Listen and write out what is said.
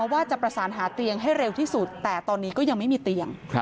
ว่าจะประสานหาเตียงให้เร็วที่สุดแต่ตอนนี้ก็ยังไม่มีเตียง